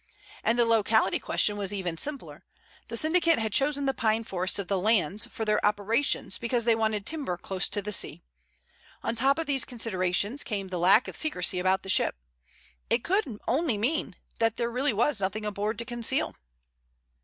And the locality question was even simpler. The syndicate had chosen the pine forests of the Landes for their operations because they wanted timber close to the sea. On the top of these considerations came the lack of secrecy about the ship. It could only mean that there really was nothing aboard to conceal.